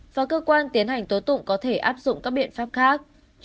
và cơ quan tiến hành tố tụng có thể áp dụng các biện pháp khác